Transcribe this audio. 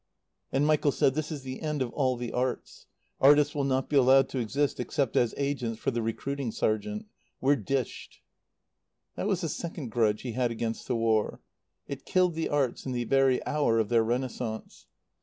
And Michael said: "This is the end of all the arts. Artists will not be allowed to exist except as agents for the recruiting sergeant. We're dished." That was the second grudge he had against the War. It killed the arts in the very hour of their renaissance.